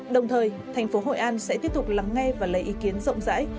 đồng thời thành phố hội an sẽ tiếp tục lắng nghe và lấy ý kiến rộng rãi